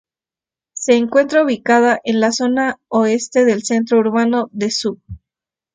Se encuentra ubicada en la zona oeste del centro urbano de Zug.